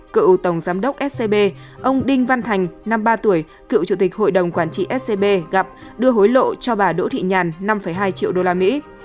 cựu tổng giám đốc scb ông đinh văn thành năm mươi ba tuổi cựu chủ tịch hội đồng quản trị scb gặp đưa hối lộ cho bà đỗ thị nhàn năm hai triệu đô la mỹ